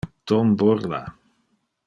Tom burla.